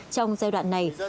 trong giai đoạn này